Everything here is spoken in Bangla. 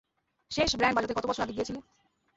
শেষ ব্যান্ড বাজাতে কত বছর আগে গিয়েছিলে?